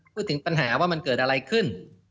พูดถึงปัญหาว่ามันเกิดอะไรขึ้น